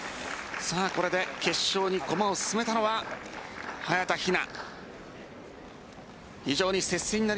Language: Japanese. これで決勝に駒を進めたのは早田ひな。